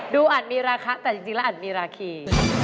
อาจมีราคาแต่จริงแล้วอาจมีราคี